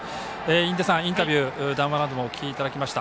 印出さん、インタビュー談話などもお聞きいただきました。